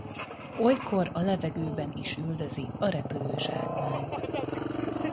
Olykor a levegőben is üldözi a repülő zsákmányt.